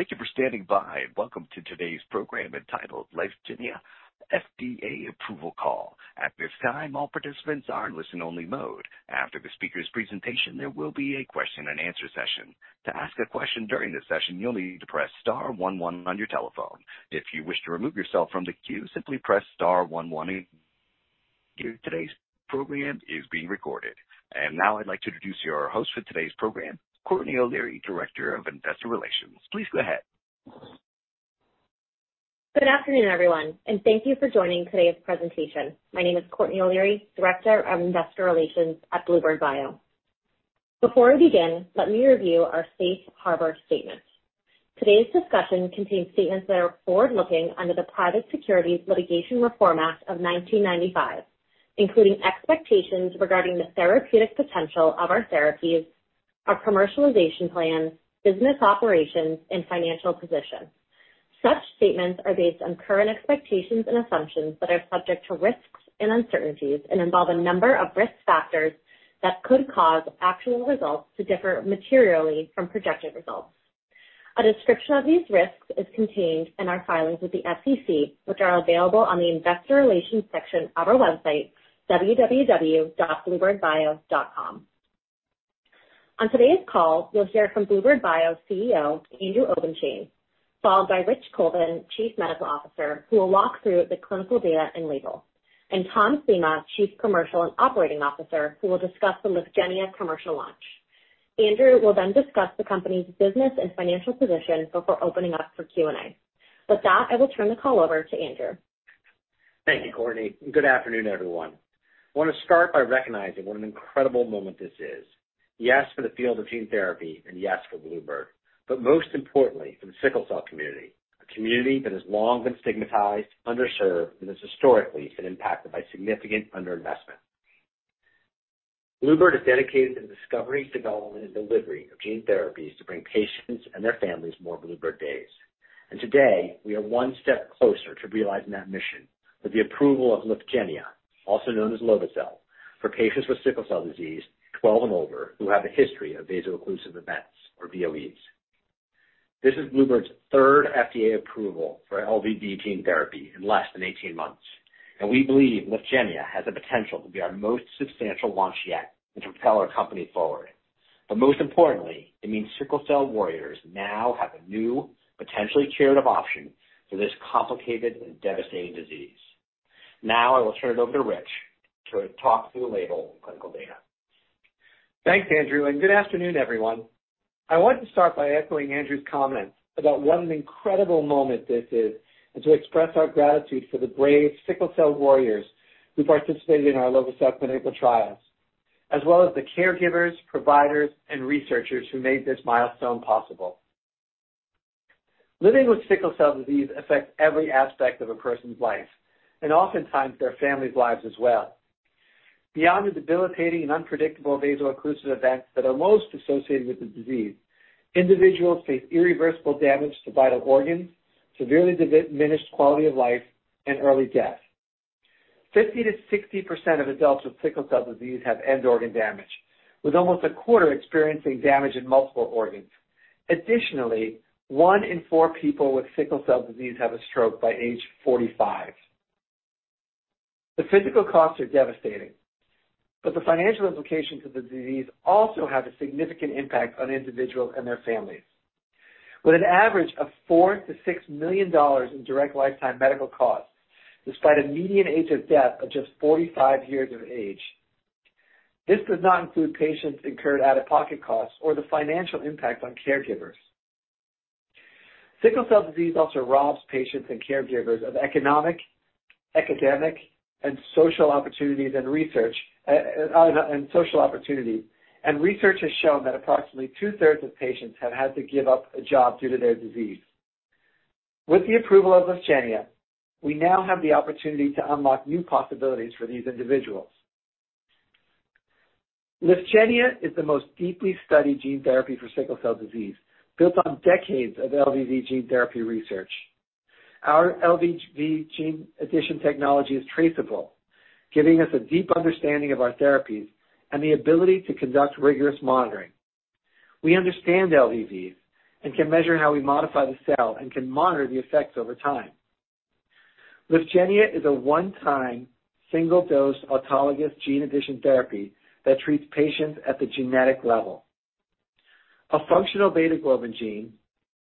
Thank you for standing by, and welcome to today's program entitled Lyfgenia FDA Approval Call. At this time, all participants are in listen-only mode. After the speaker's presentation, there will be a question-and-answer session. To ask a question during this session, you'll need to press star one one on your telephone. If you wish to remove yourself from the queue, simply press star one one again. Today's program is being recorded. Now I'd like to introduce you our host for today's program, Courtney O'Leary, Director of Investor Relations. Please go ahead. Good afternoon, everyone, and thank you for joining today's presentation. My name is Courtney O'Leary, Director of Investor Relations at bluebird bio. Before we begin, let me review our safe harbor statement. Today's discussion contains statements that are forward-looking under the Private Securities Litigation Reform Act of 1995, including expectations regarding the therapeutic potential of our therapies, our commercialization plans, business operations, and financial position. Such statements are based on current expectations and assumptions that are subject to risks and uncertainties and involve a number of risk factors that could cause actual results to differ materially from projected results. A description of these risks is contained in our filings with the SEC, which are available on the Investor Relations section of our website, www.bluebirdbio.com. On today's call, you'll hear from Bluebird bio's CEO, Andrew Obenshain, followed by Rich Colvin, Chief Medical Officer, who will walk through the clinical data and label, and Tom Klima, Chief Commercial and Operating Officer, who will discuss the Lyfgenia commercial launch. Andrew will then discuss the company's business and financial position before opening up for Q&A. With that, I will turn the call over to Andrew. Thank you, Courtney, and good afternoon, everyone. I want to start by recognizing what an incredible moment this is. Yes, for the field of gene therapy and yes, for Bluebird, but most importantly, for the sickle cell community, a community that has long been stigmatized, underserved, and has historically been impacted by significant underinvestment. Bluebird is dedicated to the discovery, development, and delivery of gene therapies to bring patients and their families more Bluebird days. Today, we are one step closer to realizing that mission with the approval of Lyfgenia, also known as lovo-cel, for patients with sickle cell disease, 12 and over, who have a history of vaso-occlusive events or VOEs. This is Bluebird's third FDA approval for LVV gene therapy in less than 18 months, and we believe Lyfgenia has the potential to be our most substantial launch yet and to propel our company forward. But most importantly, it means sickle cell warriors now have a new, potentially curative option for this complicated and devastating disease. Now, I will turn it over to Rich to talk through the label and clinical data. Thanks, Andrew, and good afternoon, everyone. I want to start by echoing Andrew's comments about what an incredible moment this is and to express our gratitude for the brave sickle cell warriors who participated in our lovo-cel clinical trials, as well as the caregivers, providers, and researchers who made this milestone possible. Living with sickle cell disease affects every aspect of a person's life and oftentimes their family's lives as well. Beyond the debilitating and unpredictable vaso-occlusive events that are most associated with the disease, individuals face irreversible damage to vital organs, severely diminished quality of life, and early death. 50%-60% of adults with sickle cell disease have end organ damage, with almost a quarter experiencing damage in multiple organs. Additionally, one in four people with sickle cell disease have a stroke by age 45. The physical costs are devastating, but the financial implications of the disease also have a significant impact on individuals and their families. With an average of $4 million-$6 million in direct lifetime medical costs, despite a median age of death of just 45 years of age, this does not include patients' incurred out-of-pocket costs or the financial impact on caregivers. sickle cell disease also robs patients and caregivers of economic, academic, and social opportunities. Research has shown that approximately two-thirds of patients have had to give up a job due to their disease. With the approval of Lyfgenia, we now have the opportunity to unlock new possibilities for these individuals. Lyfgenia is the most deeply studied gene therapy for sickle cell disease, built on decades of LVV gene therapy research. Our LVV gene addition technology is traceable, giving us a deep understanding of our therapies and the ability to conduct rigorous monitoring. We understand LVVs and can measure how we modify the cell and can monitor the effects over time. Lyfgenia is a one-time, single-dose, autologous gene addition therapy that treats patients at the genetic level. A functional beta AT87Q gene,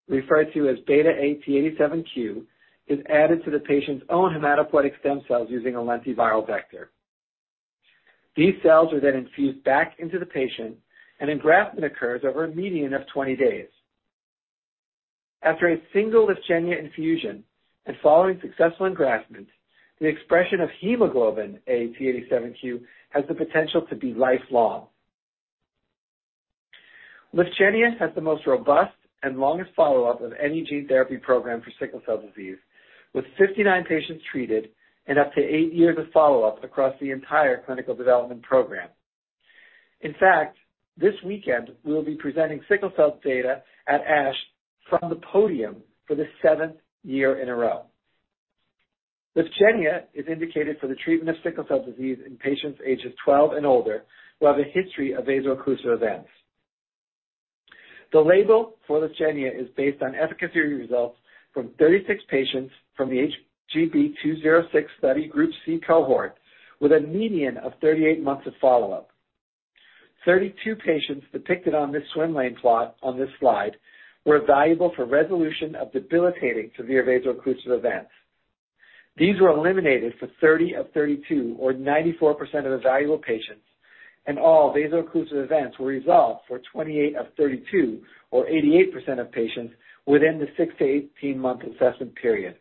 referred to as beta AT87Q, is added to the patient's own hematopoietic stem cells using a lentiviral vector. These cells are then infused back into the patient, and engraftment occurs over a median of 20 days. After a single Lyfgenia infusion and following successful engraftment, the expression of hemoglobin AT87Q has the potential to be lifelong. Lyfgenia has the most robust and longest follow-up of any gene therapy program for sickle cell disease, with 59 patients treated and up to eight years of follow-up across the entire clinical development program. In fact, this weekend, we'll be presenting sickle cell data at ASH from the podium for the seventh year in a row. Lyfgenia is indicated for the treatment of sickle cell disease in patients ages 12 and older who have a history of vaso-occlusive events. The label for Lyfgenia is based on efficacy results from 36 patients from the HGB-206 study Group C cohort, with a median of 38 months of follow-up. 32 patients depicted on this swim lane plot on this slide were evaluable for resolution of debilitating severe vaso-occlusive events. These were eliminated for 30 of 32, or 94% of the evaluable patients, and all vaso-occlusive events were resolved for 28 of 32, or 88% of patients, within the 6 month-18 month assessment period.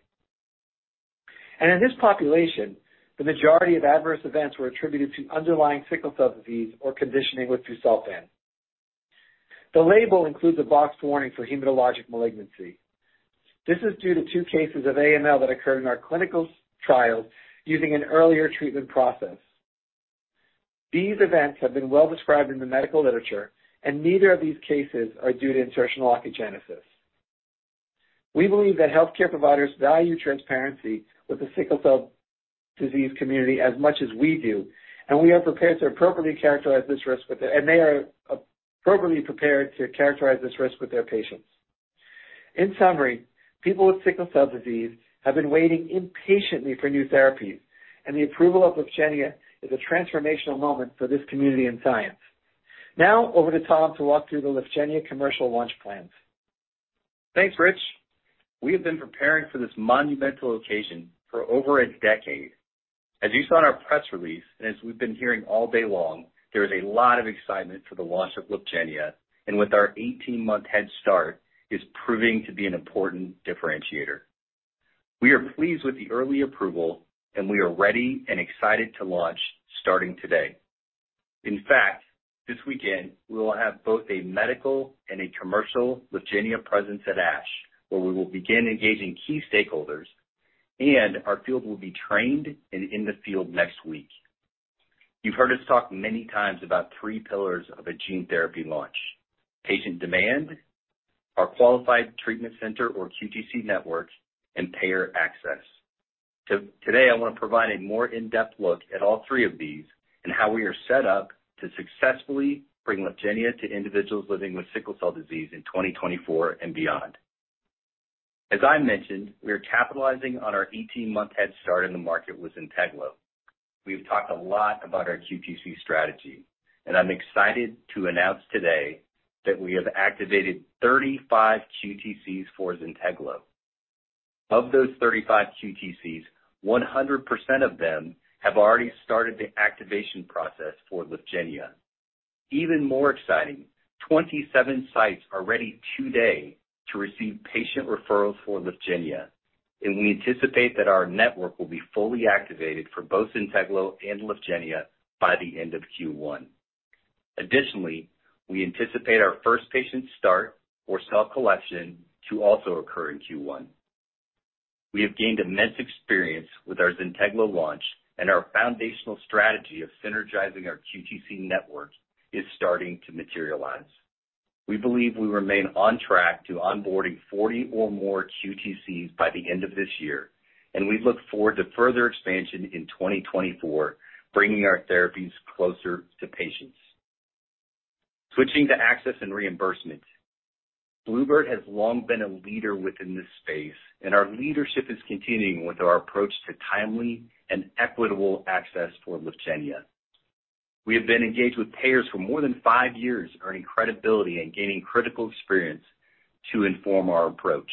In this population, the majority of adverse events were attributed to underlying sickle cell disease or conditioning with busulfan. The label includes a boxed warning for hematologic malignancy. This is due to two cases of AML that occurred in our clinical trials using an earlier treatment process. These events have been well-described in the medical literature, and neither of these cases are due to insertional oncogenesis. We believe that healthcare providers value transparency sickle cell disease community as much as we do, and we are prepared to appropriately characterize this risk with it, and they are appropriately prepared to characterize this risk with their patients. In summary, people with sickle cell disease have been waiting impatiently for new therapies, and the approval of Lyfgenia is a transformational moment for this community and science. Now, over to Tom to walk through the Lyfgenia commercial launch plans. Thanks, Rich. We have been preparing for this monumental occasion for over a decade. As you saw in our press release, and as we've been hearing all day long, there is a lot of excitement for the launch of Lyfgenia, and with our 18-month head start, is proving to be an important differentiator. We are pleased with the early approval, and we are ready and excited to launch, starting today. In fact, this weekend, we will have both a medical and a commercial Lyfgenia presence at ASH, where we will begin engaging key stakeholders, and our field will be trained and in the field next week. You've heard us talk many times about 3 pillars of a gene therapy launch: patient demand, our qualified treatment center or QTC network, and payer access. Today, I want to provide a more in-depth look at all three of these and how we are set up to successfully bring Lyfgenia to individuals living with sickle cell disease in 2024 and beyond. As I mentioned, we are capitalizing on our 18-month head start in the market with Zynteglo. We've talked a lot about our QTC strategy, and I'm excited to announce today that we have activated 35 QTCs for Zynteglo. Of those 35 QTCs, 100% of them have already started the activation process for Lyfgenia. Even more exciting, 27 sites are ready today to receive patient referrals for Lyfgenia, and we anticipate that our network will be fully activated for both Zynteglo and Lyfgenia by the end of Q1. Additionally, we anticipate our first patient start for cell collection to also occur in Q1. We have gained immense experience with our Zynteglo launch, and our foundational strategy of synergizing our QTC network is starting to materialize. We believe we remain on track to onboarding 40 or more QTCs by the end of this year, and we look forward to further expansion in 2024, bringing our therapies closer to patients. Switching to access and reimbursement. bluebird has long been a leader within this space, and our leadership is continuing with our approach to timely and equitable access for Lyfgenia. We have been engaged with payers for more than five years, earning credibility and gaining critical experience to inform our approach.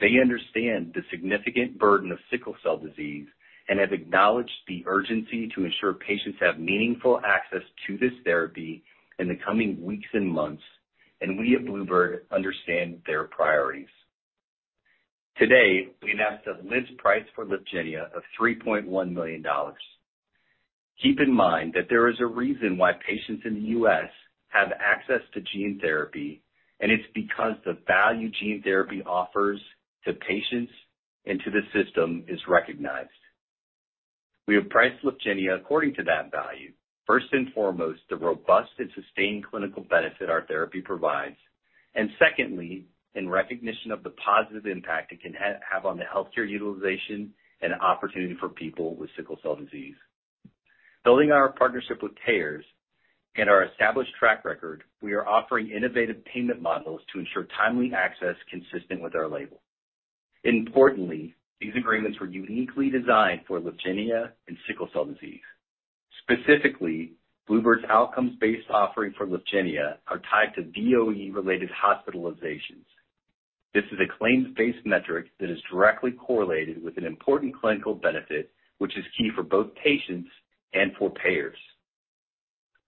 They understand the significant burden of sickle cell disease and have acknowledged the urgency to ensure patients have meaningful access to this therapy in the coming weeks and months, and we at bluebird understand their priorities. Today, we announced a list price for Lyfgenia of $3.1 million. Keep in mind that there is a reason why patients in the U.S. have access to gene therapy, and it's because the value gene therapy offers to patients and to the system is recognized. We have priced Lyfgenia according to that value. First and foremost, the robust and sustained clinical benefit our therapy provides, and secondly, in recognition of the positive impact it can have on the healthcare utilization and opportunity for people with sickle cell disease. Building on our partnership with payers and our established track record, we are offering innovative payment models to ensure timely access consistent with our label. Importantly, these agreements were uniquely designed for Lyfgenia and sickle cell disease. Specifically, bluebird's outcomes-based offering for Lyfgenia are tied to VOE-related hospitalizations. This is a claims-based metric that is directly correlated with an important clinical benefit, which is key for both patients and for payers.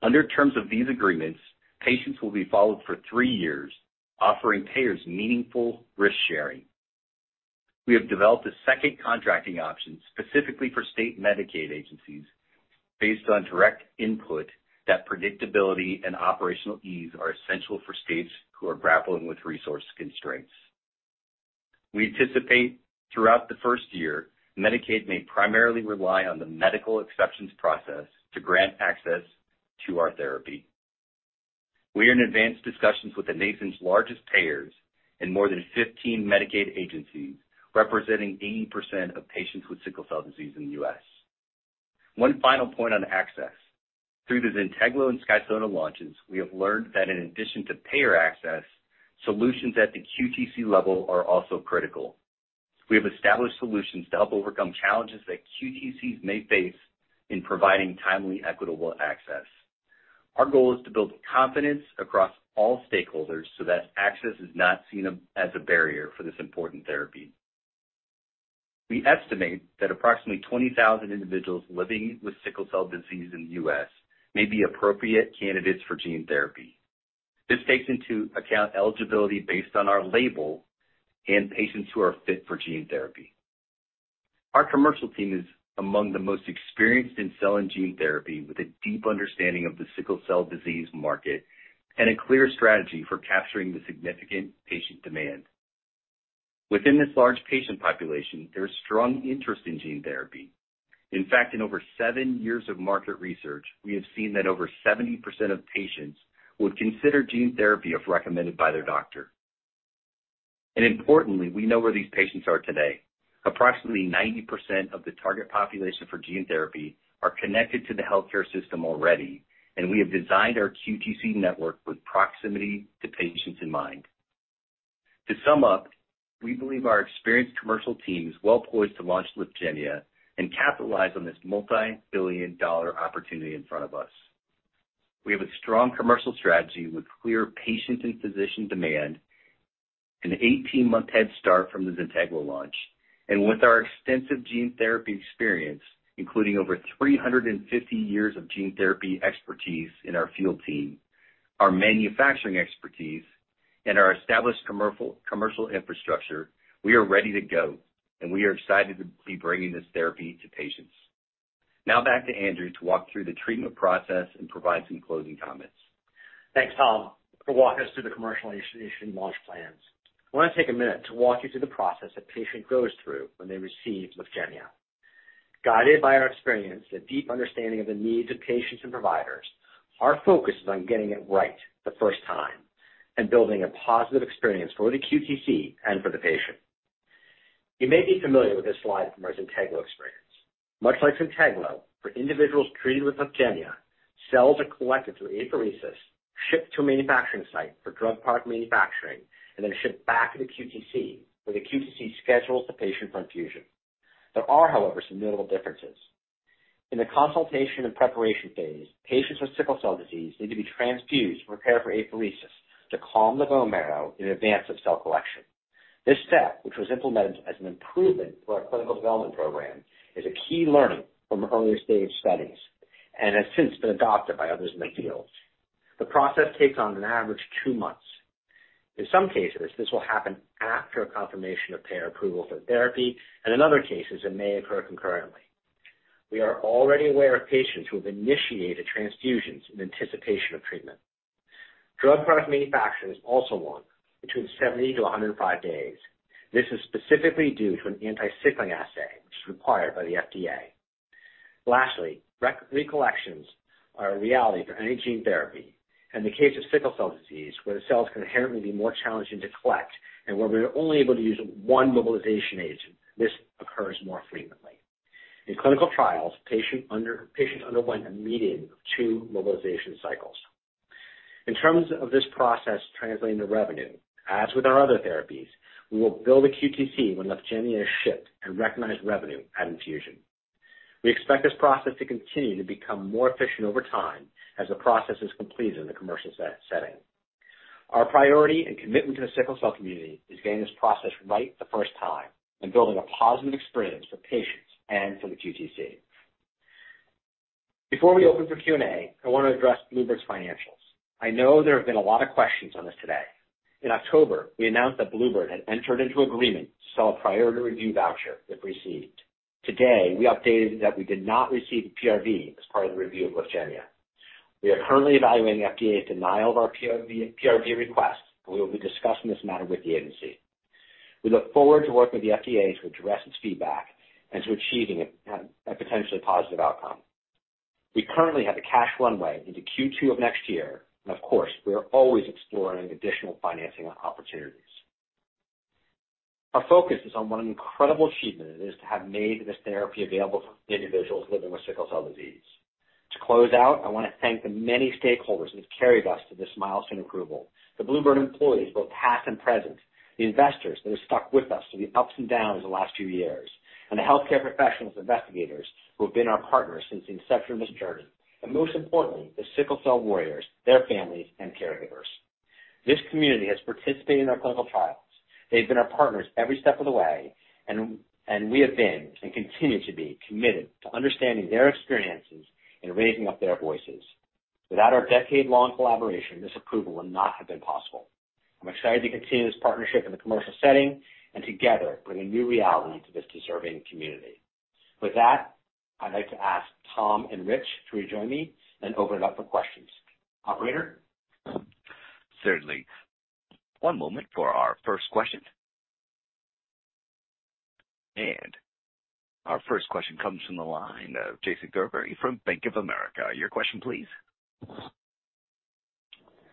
Under terms of these agreements, patients will be followed for three years, offering payers meaningful risk-sharing. We have developed a second contracting option specifically for state Medicaid agencies based on direct input that predictability and operational ease are essential for states who are grappling with resource constraints. We anticipate throughout the first year, Medicaid may primarily rely on the medical exceptions process to grant access to our therapy... We are in advanced discussions with the nation's largest payers and more than 15 Medicaid agencies, representing 80% of patients with sickle cell disease in the U.S. One final point on access. Through the Zynteglo and Skysona launches, we have learned that in addition to payer access, solutions at the QTC level are also critical. We have established solutions to help overcome challenges that QTCs may face in providing timely, equitable access. Our goal is to build confidence across all stakeholders so that access is not seen as a barrier for this important therapy. We estimate that approximately 20,000 individuals living with sickle cell disease in the U.S. may be appropriate candidates for gene therapy. This takes into account eligibility based on our label and patients who are fit for gene therapy. Our commercial team is among the most experienced in cell and gene therapy, with a deep understanding of the sickle cell disease market and a clear strategy for capturing the significant patient demand. Within this large patient population, there is strong interest in gene therapy. In fact, in over seven years of market research, we have seen that over 70% of patients would consider gene therapy if recommended by their doctor. Importantly, we know where these patients are today. Approximately 90% of the target population for gene therapy are connected to the healthcare system already, and we have designed our QTC network with proximity to patients in mind. To sum up, we believe our experienced commercial team is well poised to launch Lyfgenia and capitalize on this multi-billion-dollar opportunity in front of us. We have a strong commercial strategy with clear patient and physician demand, an 18-month head start from the Zynteglo launch, and with our extensive gene therapy experience, including over 350 years of gene therapy expertise in our field team, our manufacturing expertise, and our established commercial, commercial infrastructure, we are ready to go, and we are excited to be bringing this therapy to patients. Now back to Andrew to walk through the treatment process and provide some closing comments. Thanks, Tom, for walking us through the commercialization launch plans. I want to take a minute to walk you through the process a patient goes through when they receive Lyfgenia. Guided by our experience and a deep understanding of the needs of patients and providers, our focus is on getting it right the first time and building a positive experience for the QTC and for the patient. You may be familiar with this slide from our Zynteglo experience. Much like Zynteglo, for individuals treated with Lyfgenia, cells are collected through apheresis, shipped to a manufacturing site for drug product manufacturing, and then shipped back to the QTC, where the QTC schedules the patient for infusion. There are, however, some notable differences. In the consultation and preparation phase, patients with sickle cell disease need to be transfused and prepared for apheresis to calm the bone marrow in advance of cell collection. This step, which was implemented as an improvement to our clinical development program, is a key learning from earlier-stage studies and has since been adopted by others in the field. The process takes on average 2 months. In some cases, this will happen after a confirmation of payer approval for therapy, and in other cases, it may occur concurrently. We are already aware of patients who have initiated transfusions in anticipation of treatment. Drug product manufacturing is also long, between 70-105 days. This is specifically due to an anti-sickling assay, which is required by the FDA. Lastly, re-collections are a reality for any gene therapy. In the case of sickle cell disease, where the cells can inherently be more challenging to collect and where we are only able to use one mobilization agent, this occurs more frequently. In clinical trials, patient underwent a median of two mobilization cycles. In terms of this process translating to revenue, as with our other therapies, we will bill the QTC when Lyfgenia is shipped and recognize revenue at infusion. We expect this process to continue to become more efficient over time as the process is completed in the commercial setting. Our priority and commitment to the sickle cell community is getting this process right the first time and building a positive experience for patients and for the QTC. Before we open for Q&A, I want to address Bluebird's financials. I know there have been a lot of questions on this today. In October, we announced that Bluebird had entered into an agreement to sell a priority review voucher, if received. Today, we updated that we did not receive a PRV as part of the review of Lyfgenia. We are currently evaluating the FDA's denial of our PRV request, and we will be discussing this matter with the agency. We look forward to working with the FDA to address its feedback and to achieving a potentially positive outcome. We currently have a cash runway into Q2 of next year, and of course, we are always exploring additional financing opportunities. Our focus is on what an incredible achievement it is to have made this therapy available for individuals living with sickle cell disease. To close out, I want to thank the many stakeholders who have carried us to this milestone approval. The bluebird bio employees, both past and present, the investors that have stuck with us through the ups and downs of the last few years, and the healthcare professionals and investigators who have been our partners since the inception of this journey, and most importantly, the sickle cell warriors, their families, and caregivers. This community has participated in our clinical trials. They've been our partners every step of the way, and we have been, and continue to be, committed to understanding their experiences and raising up their voices. Without our decade-long collaboration, this approval would not have been possible. I'm excited to continue this partnership in the commercial setting and together bring a new reality to this deserving community. With that, I'd like to ask Tom and Rich to rejoin me and open it up for questions. Operator? Certainly. One moment for our first question.... Our first question comes from the line of Jason Gerberry from Bank of America. Your question, please.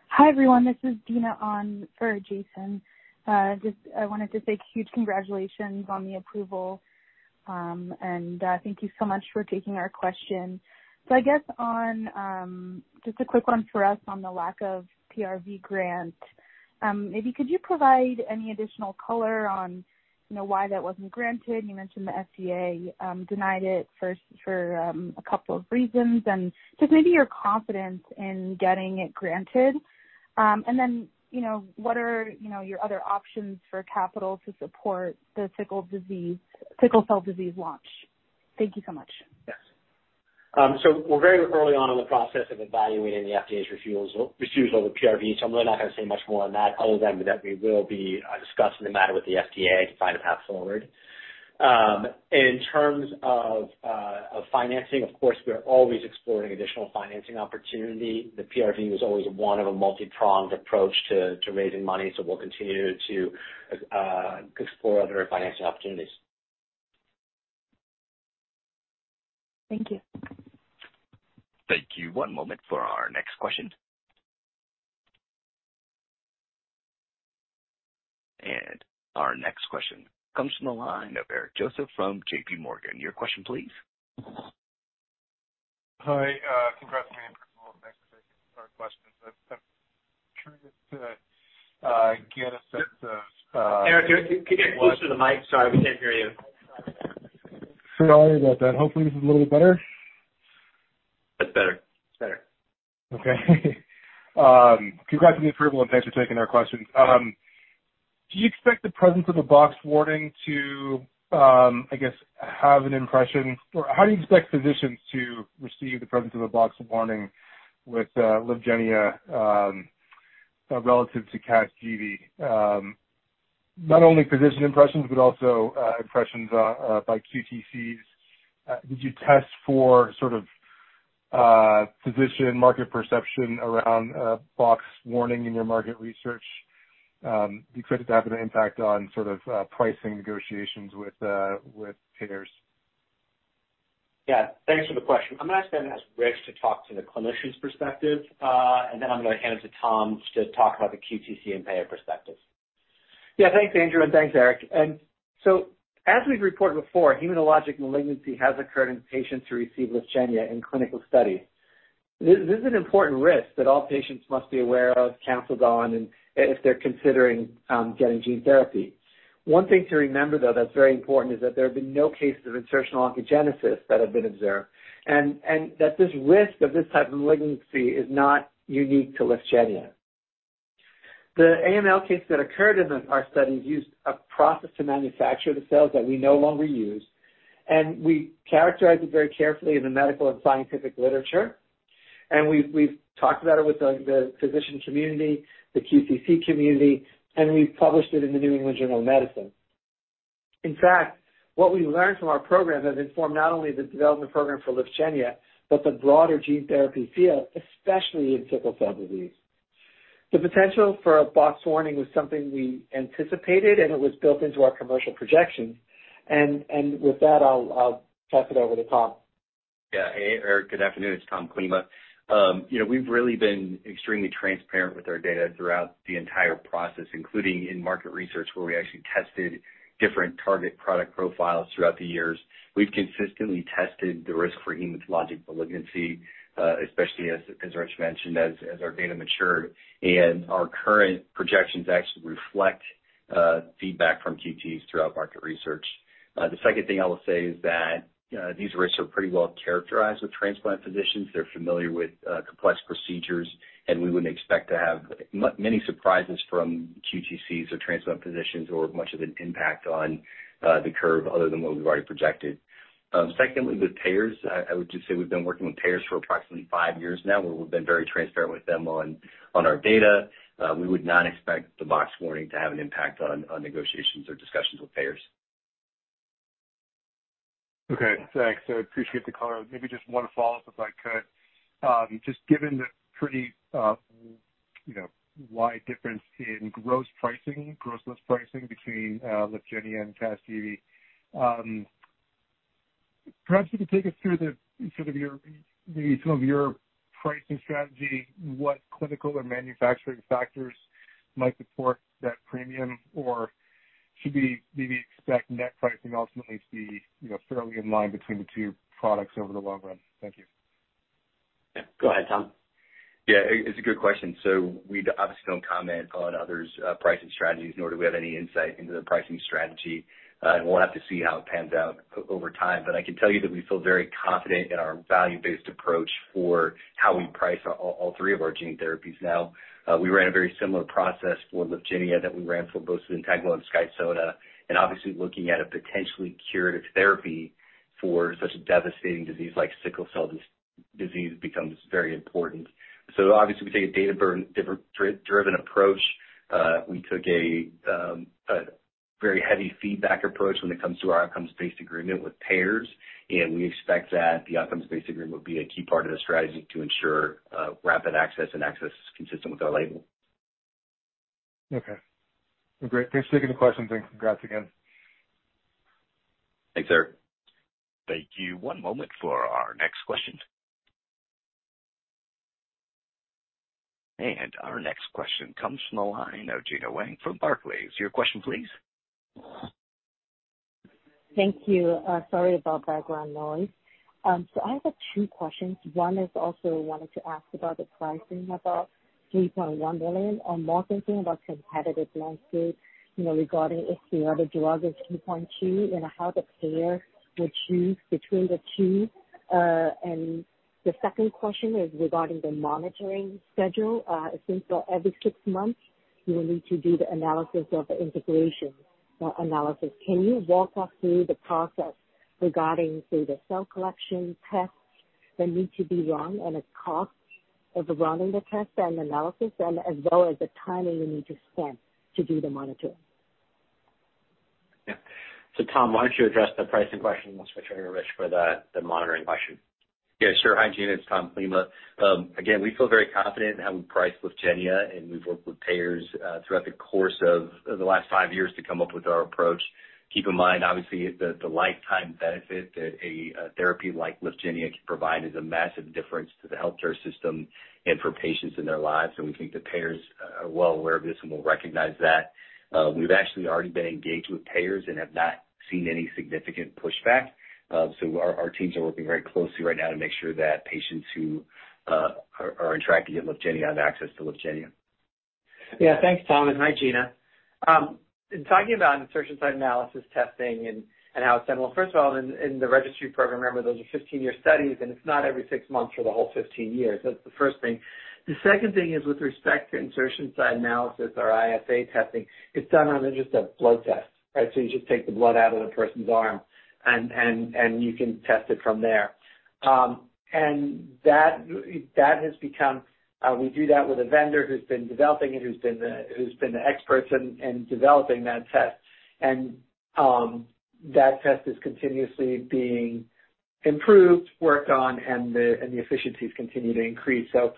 Hi, everyone. This is Dina on for Jason. Just I wanted to say huge congratulations on the approval, and thank you so much for taking our question. So I guess on just a quick one for us on the lack of PRV grant, maybe could you provide any additional color on, you know, why that wasn't granted? You mentioned the FDA denied it first for a couple of reasons, and just maybe your confidence in getting it granted. And then, you know, what are, you know, your other options for capital to support the sickle disease, sickle cell disease launch? Thank you so much. Yes. So we're very early on in the process of evaluating the FDA's refusal, refusal of the PRV, so I'm really not going to say much more on that, other than that we will be discussing the matter with the FDA to find a path forward. In terms of, of financing, of course, we are always exploring additional financing opportunity. The PRV was always one of a multipronged approach to, to raising money, so we'll continue to explore other financing opportunities. Thank you. Thank you. One moment for our next question. Our next question comes from the line of Eric Joseph from JPMorgan. Your question, please. Hi, congrats on the approval, and thanks for taking our questions. I'm trying to get a sense of Eric, if you could get closer to the mic. Sorry, we can't hear you. Sorry about that. Hopefully, this is a little bit better. That's better. It's better. Okay. Congrats on the approval, and thanks for taking our questions. Do you expect the presence of a box warning to, I guess, have an impression? Or how do you expect physicians to receive the presence of a box warning with Lyfgenia, relative to Casgevy? Not only physician impressions, but also impressions by QTCs. Did you test for sort of physician market perception around a box warning in your market research? Do you expect it to have an impact on sort of pricing negotiations with payers? Yeah, thanks for the question. I'm gonna ask Rich to talk to the clinician's perspective, and then I'm gonna hand it to Tom to talk about the QTC and payer perspective. Yeah, thanks, Andrew, and thanks, Eric. So as we've reported before, hematologic malignancy has occurred in patients who receive Lyfgenia in clinical studies. This is an important risk that all patients must be aware of, counseled on, and if they're considering getting gene therapy. One thing to remember, though, that's very important, is that there have been no cases of insertional oncogenesis that have been observed, and that this risk of this type of malignancy is not unique to Lyfgenia. The AML case that occurred in our studies used a process to manufacture the cells that we no longer use, and we characterized it very carefully in the medical and scientific literature. And we've talked about it with the physician community, the QTC community, and we've published it in the New England Journal of Medicine. In fact, what we learned from our program has informed not only the development program for Lyfgenia, but the broader gene therapy field, especially in sickle cell disease. The potential for a box warning was something we anticipated, and it was built into our commercial projections. And with that, I'll pass it over to Tom. Yeah. Hey, Eric, good afternoon, it's Tom Klima. You know, we've really been extremely transparent with our data throughout the entire process, including in market research, where we actually tested different target product profiles throughout the years. We've consistently tested the risk for hematologic malignancy, especially as Rich mentioned, as our data matured. And our current projections actually reflect feedback from QTCs throughout market research. The second thing I will say is that these risks are pretty well characterized with transplant physicians. They're familiar with complex procedures, and we wouldn't expect to have many surprises from QTCs or transplant physicians, or much of an impact on the curve other than what we've already projected. Secondly, with payers, I would just say we've been working with payers for approximately five years now, where we've been very transparent with them on our data. We would not expect the box warning to have an impact on negotiations or discussions with payers. Okay, thanks. I appreciate the color. Maybe just one follow-up, if I could. Just given the pretty, you know, wide difference in gross pricing, gross list pricing between, Lyfgenia and Casgevy, perhaps you could take us through the, sort of your, the, some of your pricing strategy, what clinical or manufacturing factors might support that premium? Or should we maybe expect net pricing ultimately to be, you know, fairly in line between the two products over the long run? Thank you. Yeah. Go ahead, Tom. Yeah, it's a good question. So we obviously don't comment on others' pricing strategies, nor do we have any insight into the pricing strategy, and we'll have to see how it pans out over time. But I can tell you that we feel very confident in our value-based approach for how we price all three of our gene therapies now. We ran a very similar process for Lyfgenia that we ran for bothZynteglo and Skysona, and obviously looking at a potentially curative therapy for such a devastating disease like sickle cell disease becomes very important. So obviously, we take a data-driven approach. We took a very heavy feedback approach when it comes to our outcomes-based agreement with payers, and we expect that the outcomes-based agreement will be a key part of the strategy to ensure rapid access and access consistent with our label.... Okay. Well, great. Thanks for taking the questions and congrats again. Thanks, sir. Thank you. One moment for our next question. Our next question comes from the line of Gena Wang from Barclays. Your question, please. Thank you. Sorry about background noise. So I have two questions. One is also wanted to ask about the pricing, about $3.1 million. I'm more thinking about competitive landscape, you know, regarding if the other drug is $3.2 billion, and how the payer would choose between the two. And the second question is regarding the monitoring schedule. It seems that every six months, you will need to do the analysis of the integration analysis. Can you walk us through the process regarding, say, the cell collection tests that need to be run and the cost of running the test and analysis, and as well as the time that you need to spend to do the monitoring? Yeah. So Tom, why don't you address the pricing question? We'll switch over to Rich for the monitoring question. Yeah, sure. Hi, Gina. It's Tom Klima. Again, we feel very confident in how we priced Lyfgenia, and we've worked with payers throughout the course of the last five years to come up with our approach. Keep in mind, obviously, the lifetime benefit that a therapy like Lyfgenia can provide is a massive difference to the healthcare system and for patients in their lives, and we think the payers are well aware of this and will recognize that. We've actually already been engaged with payers and have not seen any significant pushback. So our teams are working very closely right now to make sure that patients who are entitled to get Lyfgenia have access to Lyfgenia. Yeah. Thanks, Tom, and hi, Gina. In talking about Insertion Site Analysis testing and how it's done, well, first of all, in the registry program, remember, those are 15-year studies, and it's not every 6 months for the whole 15 years. That's the first thing. The second thing is with respect to Insertion Site Analysis or ISA testing, it's done on just a blood test, right? So you just take the blood out of the person's arm and you can test it from there. And that has become, we do that with a vendor who's been developing it, who's been the experts in developing that test. And that test is continuously being improved, worked on, and the efficiencies continue to increase. So,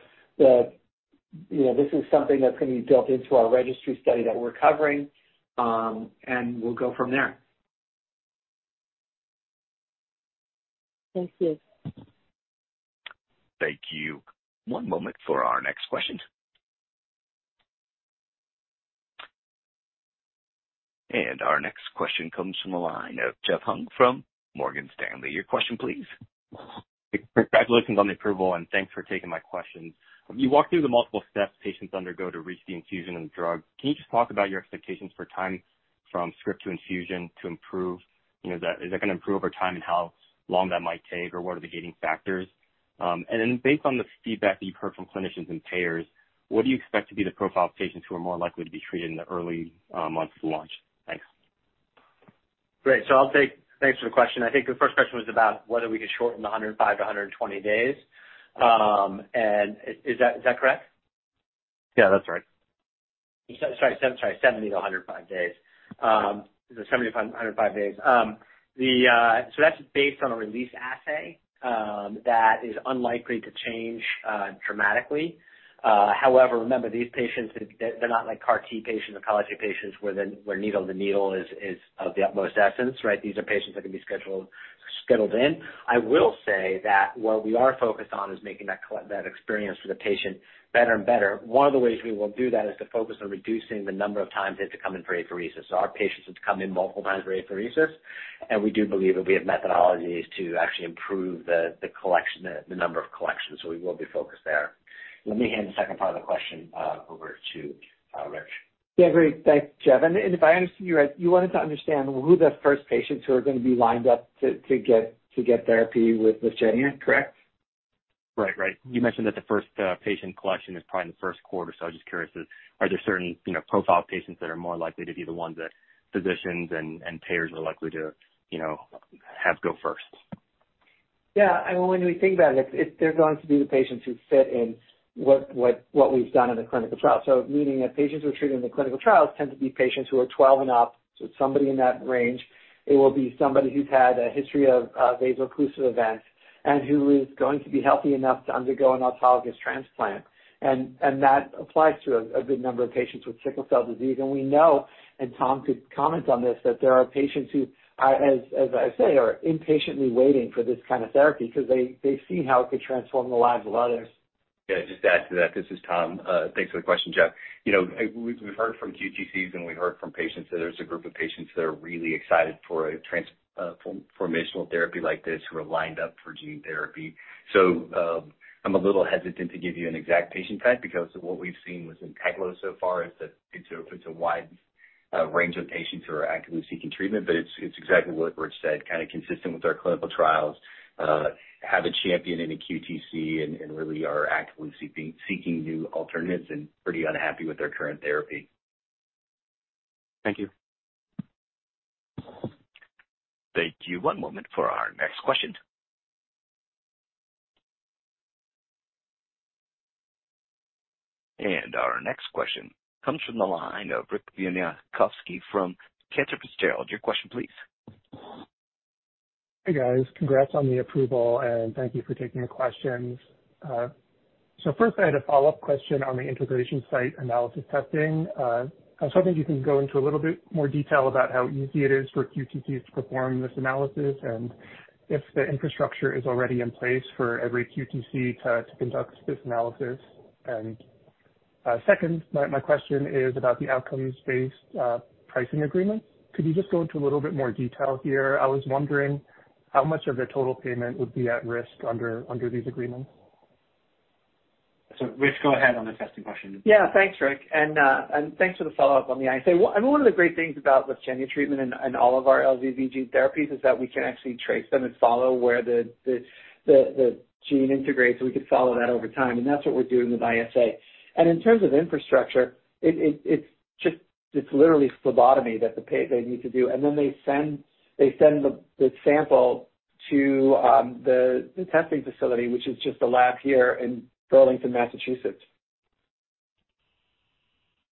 you know, this is something that's going to be built into our registry study that we're covering, and we'll go from there. Thank you. Thank you. One moment for our next question. Our next question comes from the line of Jeff Hung from Morgan Stanley. Your question please. Congratulations on the approval, and thanks for taking my questions. You walked through the multiple steps patients undergo to reach the infusion of the drug. Can you just talk about your expectations for time from script to infusion to improve? You know, that, is that going to improve over time and how long that might take, or what are the gating factors? And then based on the feedback that you've heard from clinicians and payers, what do you expect to be the profile of patients who are more likely to be treated in the early months of launch? Thanks. Great. So I'll take... Thanks for the question. I think the first question was about whether we could shorten the 105 days-120 days. And is that correct? Yeah, that's right. Sorry, 70 days-105 days. 70 days-105 days. The, so that's based on a release assay, that is unlikely to change dramatically. However, remember, these patients, they're not like CAR T patients or oncology patients, where needle to needle is of the utmost essence, right? These are patients that can be scheduled in. I will say that what we are focused on is making that experience for the patient better and better. One of the ways we will do that is to focus on reducing the number of times they have to come in for apheresis. So our patients have to come in multiple times for apheresis, and we do believe that we have methodologies to actually improve the collection, the number of collections. So we will be focused there. Let me hand the second part of the question over to Rich. Yeah, great. Thanks, Jeff. And if I understand you right, you wanted to understand who the first patients who are going to be lined up to get therapy with Lyfgenia, correct? Right. Right. You mentioned that the first patient collection is probably in the first quarter, so I was just curious if there are certain, you know, profile patients that are more likely to be the ones that physicians and payers are likely to, you know, have go first? Yeah, and when we think about it, it's, they're going to be the patients who fit in what we've done in the clinical trial. So meaning that patients who are treated in the clinical trials tend to be patients who are 12 and up. So somebody in that range, it will be somebody who's had a history of vaso-occlusive events and who is going to be healthy enough to undergo an autologous transplant. And that applies to a good number of patients with sickle cell disease. And we know, and Tom could comment on this, that there are patients who are, as I say, impatiently waiting for this kind of therapy because they've seen how it could transform the lives of others. Yeah, just to add to that, this is Tom. Thanks for the question, Jeff. You know, we've heard from QTCs, and we've heard from patients that there's a group of patients that are really excited for a transformational therapy like this, who are lined up for gene therapy. So, I'm a little hesitant to give you an exact patient type because what we've seen withZynteglo so far is that it's a wide range of patients who are actively seeking treatment. But it's exactly what Rich said, kind of consistent with our clinical trials, have a champion in the QTC and really are actively seeking new alternatives and pretty unhappy with their current therapy. Thank you. Thank you. One moment for our next question. Our next question comes from the line of Rick Bienkowski from Cantor Fitzgerald. Your question, please. ... Hey, guys, congrats on the approval, and thank you for taking the questions. So first, I had a follow-up question on the insertion site analysis testing. I was hoping you can go into a little bit more detail about how easy it is for QTCs to perform this analysis, and if the infrastructure is already in place for every QTC to conduct this analysis. And second, my question is about the outcomes-based pricing agreement. Could you just go into a little bit more detail here? I was wondering how much of the total payment would be at risk under these agreements. Rich, go ahead on the testing question. Yeah. Thanks, Rick. And thanks for the follow-up on the ISA. And one of the great things about Lyfgenia treatment and all of our LVV therapies is that we can actually trace them and follow where the gene integrates, so we can follow that over time. And that's what we're doing with ISA. And in terms of infrastructure, it's just, it's literally phlebotomy that the patients they need to do. And then they send the sample to the testing facility, which is just a lab here in Burlington, Massachusetts.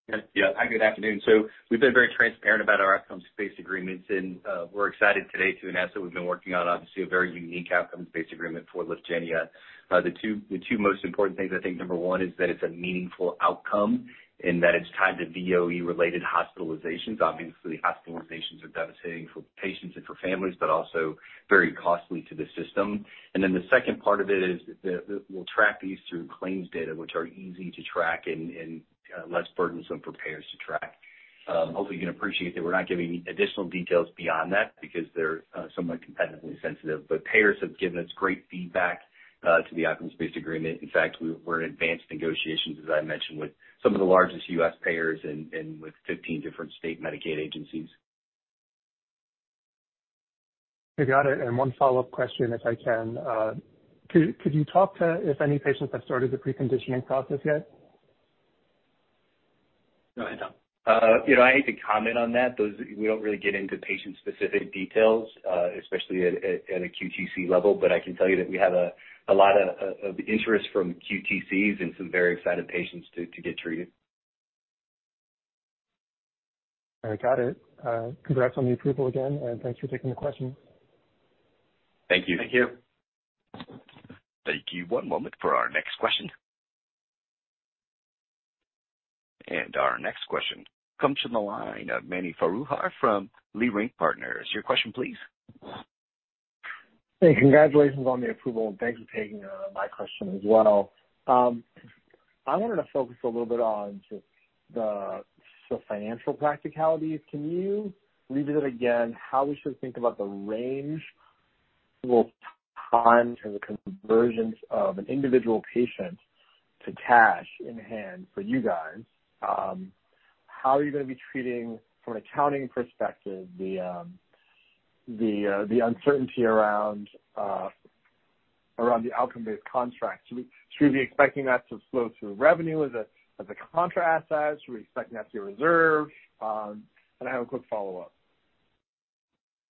Yeah. Yeah. Hi, good afternoon. So we've been very transparent about our outcomes-based agreements, and we're excited today to announce that we've been working on, obviously, a very unique outcomes-based agreement for Lyfgenia. The two most important things, I think number one is that it's a meaningful outcome in that it's tied to VOE-related hospitalizations. Obviously, hospitalizations are devastating for patients and for families, but also very costly to the system. And then the second part of it is that we'll track these through claims data, which are easy to track and less burdensome for payers to track. Hopefully, you can appreciate that we're not giving additional details beyond that because they're somewhat competitively sensitive. But payers have given us great feedback to the outcomes-based agreement. In fact, we're in advanced negotiations, as I mentioned, with some of the largest U.S. payers and with 15 different state Medicaid agencies. I got it. One follow-up question, if I can. Could you talk to if any patients have started the preconditioning process yet? Go ahead, Tom. You know, I hate to comment on that. Those, we don't really get into patient-specific details, especially at a QTC level. But I can tell you that we have a lot of interest from QTCs and some very excited patients to get treated. I got it. Congrats on the approval again, and thanks for taking the question. Thank you. Thank you. Thank you. One moment for our next question. Our next question comes from the line of Mani Foroohar from Leerink Partners. Your question, please. Hey, congratulations on the approval, and thanks for taking my question as well. I wanted to focus a little bit on just the financial practicalities. Can you revisit again how we should think about the range over time and the conversions of an individual patient to cash in hand for you guys? How are you gonna be treating, from an accounting perspective, the uncertainty around the outcome-based contracts? Should we be expecting that to flow through revenue? Is it as a contra asset? Should we expecting that to be a reserve? And I have a quick follow-up.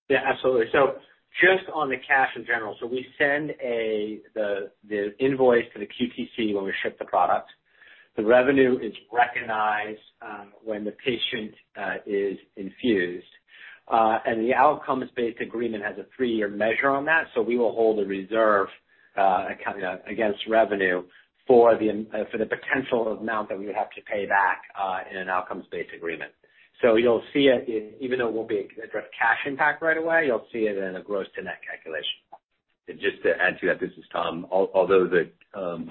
Yeah, absolutely. So just on the cash in general, so we send the invoice to the QTC when we ship the product. The revenue is recognized when the patient is infused. And the outcomes-based agreement has a three-year measure on that, so we will hold a reserve account against revenue for the potential amount that we would have to pay back in an outcomes-based agreement. So you'll see it in... even though it won't be a direct cash impact right away, you'll see it in a gross to net calculation. And just to add to that, this is Tom. Although the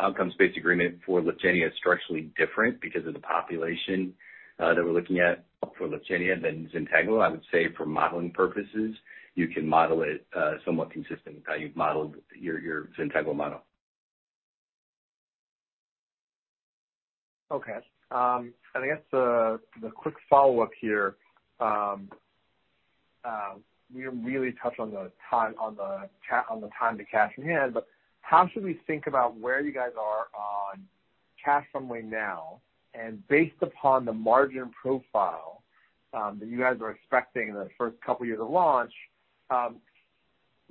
outcomes-based agreement for Lyfgenia is structurally different because of the population that we're looking at for Lyfgenia than Zynteglo, I would say for modeling purposes, you can model it somewhat consistent with how you've modeled your Zynteglo model. Okay. And I guess the quick follow-up here, we really touched on the time to cash in hand, but how should we think about where you guys are on cash runway now, and based upon the margin profile that you guys are expecting in the first couple years of launch,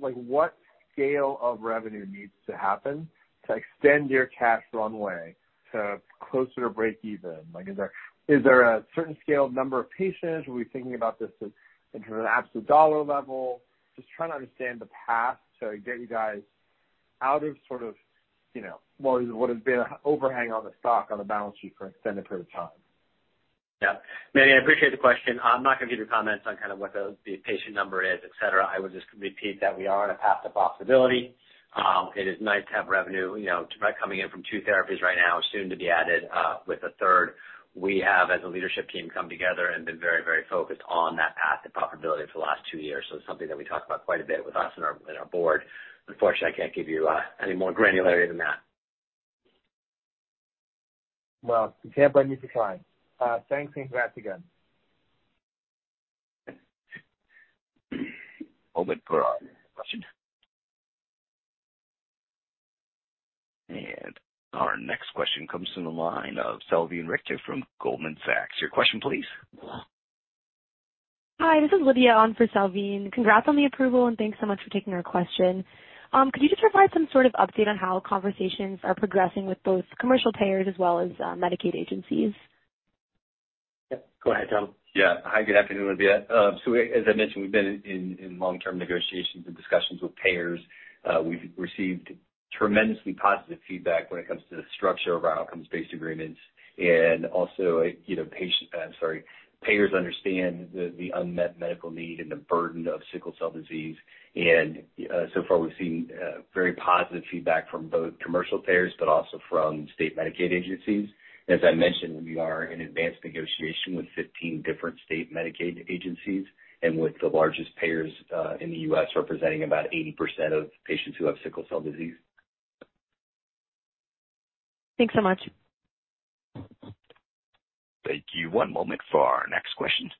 like, what scale of revenue needs to happen to extend your cash runway to closer to breakeven? Like, is there a certain scale number of patients? Are we thinking about this as in terms of absolute dollar level? Just trying to understand the path to get you guys out of sort of, you know, what has been an overhang on the stock, on the balance sheet for an extended period of time. Yeah. Manny, I appreciate the question. I'm not gonna give you comments on kind of what the patient number is, et cetera. I would just repeat that we are on a path to profitability. It is nice to have revenue, you know, by coming in from two therapies right now, soon to be added with a third. We have, as a leadership team, come together and been very, very focused on that path to profitability for the last two years. So it's something that we talk about quite a bit with us and our board. Unfortunately, I can't give you any more granularity than that. Well, you can't but you can try. Thanks and congrats again. One moment for our next question. Our next question comes from the line of Salveen Richter from Goldman Sachs. Your question please. Hi, this is Lydia on for Salveen Richter. Congrats on the approval, and thanks so much for taking our question. Could you just provide some sort of update on how conversations are progressing with both commercial payers as well as Medicaid agencies?... Yep, go ahead, Tom. Yeah. Hi, good afternoon, everybody. So as I mentioned, we've been in long-term negotiations and discussions with payers. We've received tremendously positive feedback when it comes to the structure of our outcomes-based agreements. And also, you know, payers understand the unmet medical need and the burden of sickle cell disease. And so far, we've seen very positive feedback from both commercial payers but also from state Medicaid agencies. As I mentioned, we are in advanced negotiation with 15 different state Medicaid agencies and with the largest payers in the U.S., representing about 80% of patients who have sickle cell disease. Thanks so much. Thank you. One moment for our next question.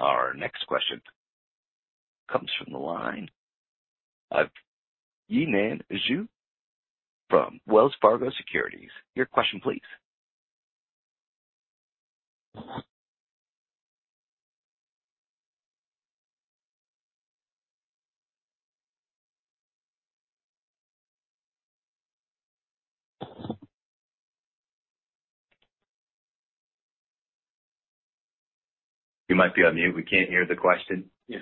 Our next question comes from the line of Yinan Zhu from Wells Fargo Securities. Your question, please. You might be on mute. We can't hear the question. Yeah.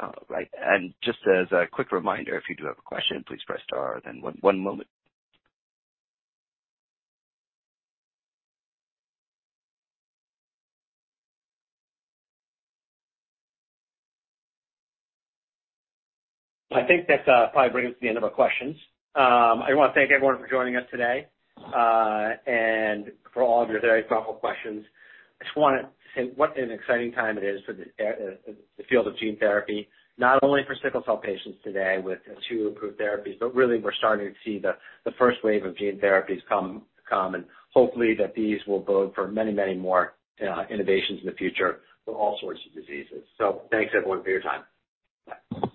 All right. Just as a quick reminder, if you do have a question, please press star, then one. One moment. I think that probably brings us to the end of our questions. I want to thank everyone for joining us today and for all of your very thoughtful questions. I just want to say what an exciting time it is for the field of gene therapy, not only for sickle cell patients today with two approved therapies, but really we're starting to see the first wave of gene therapies come, and hopefully that these will bode for many, many more innovations in the future for all sorts of diseases. So thanks everyone for your time. Thank you,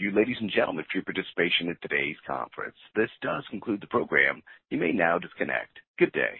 ladies and gentlemen, for your participation in today's conference. This does conclude the program. You may now disconnect. Good day!